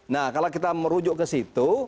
nah kalau kita merujuk ke situ